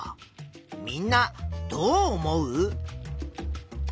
みんなどう思う？